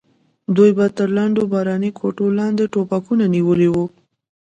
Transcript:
دوی به تر لندو باراني کوټو لاندې ټوپکونه نیولي وو.